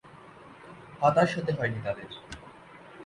হতাশ হতে হয়নি তাদের।